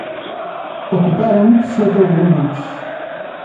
Ocuparon siete volúmenes.